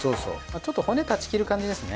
ちょっと骨断ち切る感じですね。